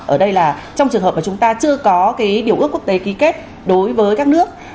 ở đây là trong trường hợp mà chúng ta chưa có điều ước quốc tế ký kết đối với các nước